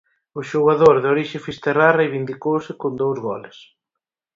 O xogador de orixe fisterrá reivindicouse con dous goles.